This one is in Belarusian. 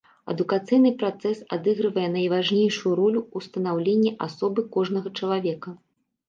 Адукацыйны працэс адыгрывае найважнейшую ролю ў станаўленні асобы кожнага чалавека.